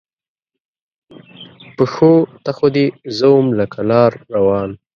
پښو ته خو دې زه وم لکه لار روان